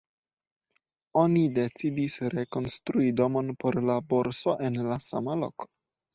Oni decidis rekonstrui domon por la borso en la sama loko.